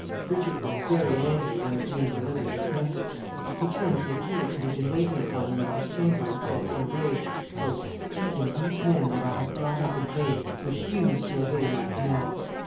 Richard was very angry when Green delivered this message. He turned to a page who was in waiting upon him in his chamber, and said, in a rage, "Even these men that I have brought up and made, refuse to obey my commands."